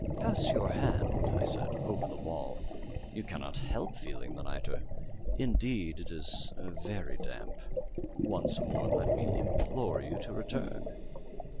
"Pass your hand," I said, "over the wall; you cannot help feeling the nitre. Indeed, it is very damp. Once more let me implore you to return.